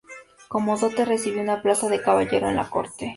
Como dote recibió una plaza de caballero en la Corte.